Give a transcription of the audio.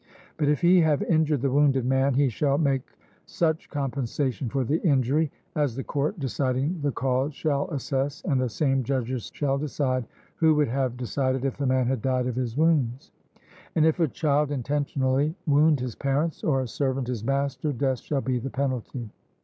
But if he have injured the wounded man, he shall make such compensation for the injury as the court deciding the cause shall assess, and the same judges shall decide who would have decided if the man had died of his wounds. And if a child intentionally wound his parents, or a servant his master, death shall be the penalty.